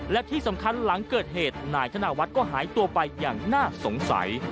และที่สำคัญหลังเกิดเหตุนายธนวัฒน์ก็หายตัวไปอย่างน่าสงสัย